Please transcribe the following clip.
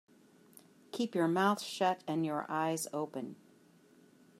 Keep your mouth shut and your eyes open.